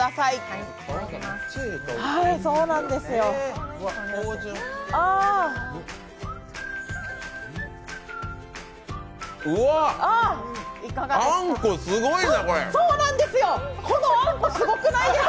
このあんこすごくないですか！？